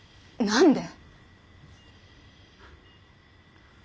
何で？